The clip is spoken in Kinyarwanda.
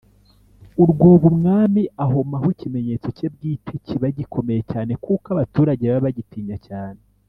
urwobo Umwami ahomaho ikimenyetso cye bwite kiba gikomeye cyane kuko abaturage baba bagitinya cyane